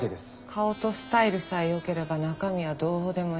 顔とスタイルさえ良ければ中身はどうでもいい。